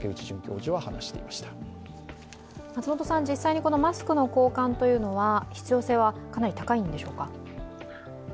実際にマスクの交換というのは必要性はかなり高いんでしょうか。